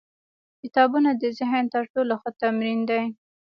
کتابونه د ذهن تر ټولو ښه تمرین دی.